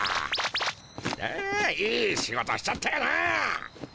あいい仕事しちゃったよな。